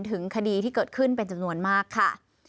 ถึงคดีที่เกิดขึ้นเป็นจำนวนมากค่ะ